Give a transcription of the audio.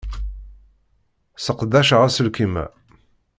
Sseqdaceɣ aselkim-a.